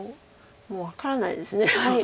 もう分からないです。